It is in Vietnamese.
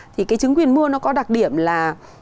thì cái chứng quyền mua nó có đặc điểm là